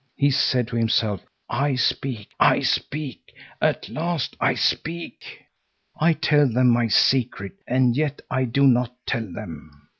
He said to himself: "I speak, I speak, at last I speak. I tell them my secret, and yet I do not tell them."